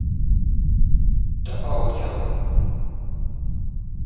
دفعہ ہو جائو